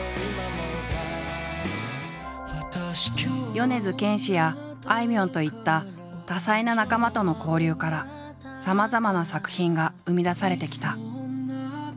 米津玄師やあいみょんといった多彩な仲間との交流からさまざまな作品が生み出されてきた。